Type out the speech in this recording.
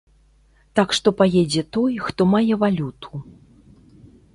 Так што паедзе той, хто мае валюту.